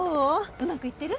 うまくいってる？